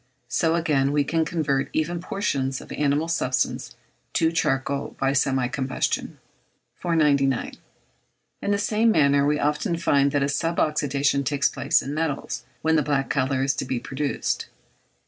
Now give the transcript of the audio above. So again, we can convert even portions of animal substance to charcoal by semi combustion. 499. In the same manner we often find that a sub oxydation takes place in metals when the black colour is to be produced.